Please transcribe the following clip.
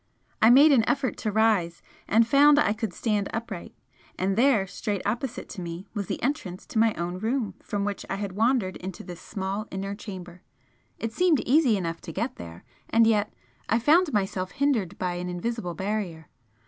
I made an effort to rise, and found I could stand upright and there straight opposite to me was the entrance to my own room from which I had wandered into this small inner chamber. It seemed easy enough to get there, and yet I found myself hindered by an invisible barrier.